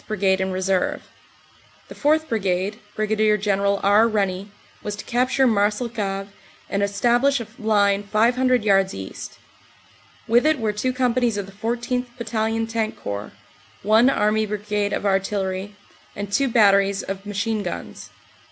Brigade in reserve. The 4th. Brigade, Brig. General R. Rennie, was to capture Marcel cave and establish a line 500 yards east. With it were two com panies of the 14th. Battalion Tank Corps, one Army Brigade of Artillery, and two batteries of machine guns.